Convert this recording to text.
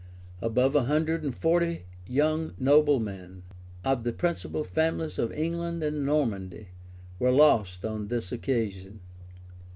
Above a hundred and forty young noblemen, of the principal families of England and Normandy, were lost on this occasion.